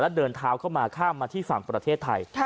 เดินเท้าเข้ามาข้ามมาที่ฝั่งประเทศไทย